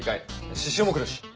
獅子王も来るし。